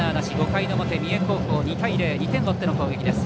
５回の表、三重高校２点を追っての攻撃です。